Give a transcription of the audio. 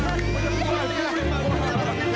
aku capek mau pulang